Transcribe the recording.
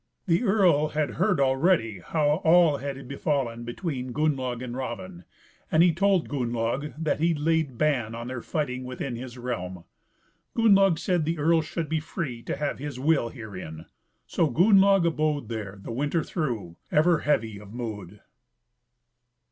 The earl had heard already how all had befallen between Gunnlaug and Raven, and he told Gunnlaug that he laid ban on their fighting within his realm; Gunnlaug said the earl should be free to have his will herein. So Gunnlaug abode there the winter through, ever heavy of mood.